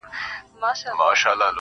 يوې انجلۍ په لوړ اواز كي راته ويــــل ه.